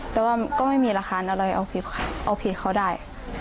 แต่ว่าก็ไม่มีราคาอะไรเอาผิดเขาได้